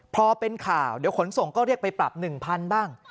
พอเป็นข่าวเดี๋ยวขนส่งก็เรียกไปปรับ๑๐๐๐บ้าง